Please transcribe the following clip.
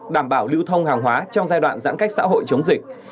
đảm bảo lưu thông hàng hóa trong giai đoạn giãn cách xã hội chống dịch